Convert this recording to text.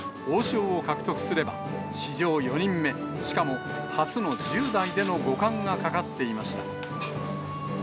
王将を獲得すれば、史上４人目、しかも初の１０代での五冠がかかっていました。